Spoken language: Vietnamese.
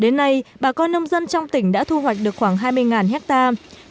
đến nay bà con nông dân trong tỉnh đã thu hoạch được khoảng hai mươi hectare